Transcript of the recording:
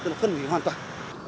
nó phân hủy hoàn toàn